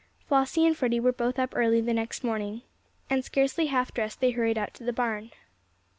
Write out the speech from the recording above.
Flossie and Freddie were both up early the next morning, and, scarcely halfdressed, they hurried out to the barn.